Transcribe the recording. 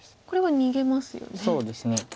これは逃げますよね。